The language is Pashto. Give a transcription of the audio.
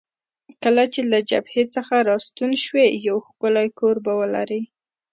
کله چې له جبهې څخه راستون شوې، یو ښکلی کور به ولرې.